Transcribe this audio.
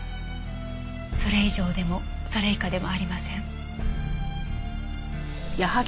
それ以上でもそれ以下でもありません。